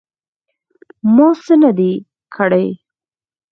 _ما څه نه دي کړي.